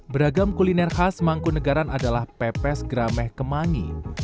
beragam kuliner khas mangkunegaran adalah pepes grameh kemangi